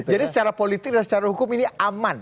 jadi secara politik dan secara hukum ini aman